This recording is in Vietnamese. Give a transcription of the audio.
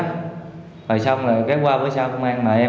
rồi xong rồi qua với sao công an mời em